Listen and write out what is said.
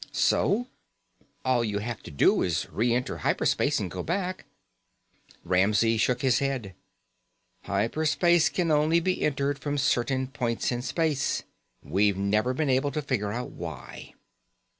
"So? All you'd have to do is re enter hyper space and go back." Ramsey shook his head. "Hyper space can only be entered from certain points in space. We've never been able to figure out why."